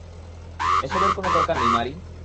এসবের কোনো দরকার নেই, মারি।